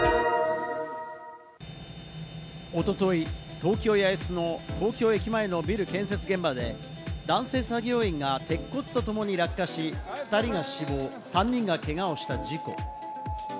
東京・八重洲の東京駅前のビル建設現場で、男性作業員が鉄骨とともに落下し、２人が死亡、３人がけがをした事故。